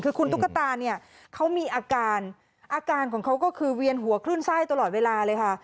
คือคุณตุ๊กตาเนี่ยเขามีอาการอาการของเขาก็คือเวียนหัวคลื่นไส้ตลอดเวลาเลยค่ะ